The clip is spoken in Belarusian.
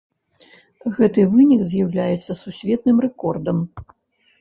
Гэты вынік з'яўляецца сусветным рэкордам.